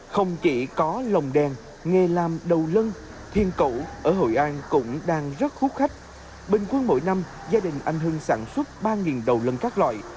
không chỉ có lồng đèn nghề làm đầu lân thiên cẩu ở hội an cũng đang rất hút khách bình quân mỗi năm gia đình anh hưng sản xuất ba đầu lân các loại